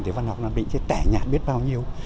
thì văn học nam định sẽ tẻ nhạn biết bao nhiêu